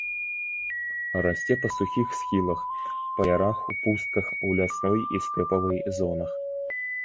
Расце па сухіх схілах, па ярах ў пустках ў лясной і стэпавай зонах.